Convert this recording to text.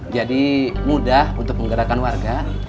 jadi mudah untuk menggerakkan warga